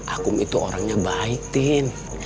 akum itu orangnya baik tin